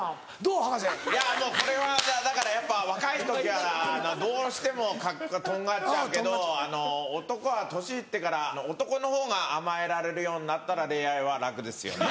いやもうこれはだからやっぱ若い時はどうしてもとんがっちゃうけど男は年行ってから男のほうが甘えられるようになったら恋愛は楽ですよね。